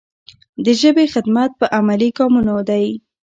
د ژبې خدمت په عملي ګامونو دی.